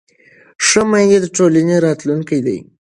ښه میندې د ټولنې راتلونکی دي.